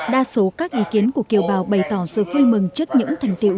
đa số các ý kiến của kiều bào bày tỏ sự vui mừng trước những thành tiệu